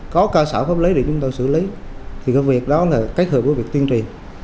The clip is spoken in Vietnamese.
có ca sở pháp lý để chúng tôi xử lý thì cái việc đó là cái hợp của việc tuyên trì